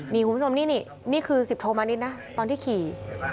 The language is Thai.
นี่คุณผู้ชมนี่นี่คือสิบโทมานิดนะตอนที่ขี่